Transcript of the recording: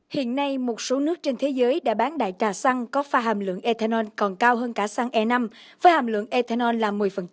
hiện nay một số nước trên thế giới đã bán đại trà xăng có pha hàm lượng ethanol còn cao hơn cả xăng e năm với hàm lượng ethanol là một mươi